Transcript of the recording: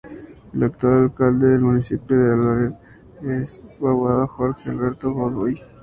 El actual Alcalde del municipio de Arbeláez es el abogado Jorge Alberto Godoy.